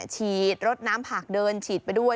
ฉีดรถน้ำผักเดินฉีดไปด้วย